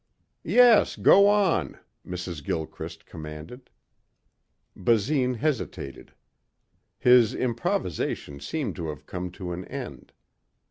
"Yes, go on," Mrs. Gilchrist commanded. Basine hesitated. His improvisation seemed to have come to an end.